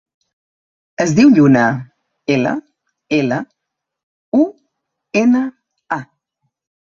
Es diu Lluna: ela, ela, u, ena, a.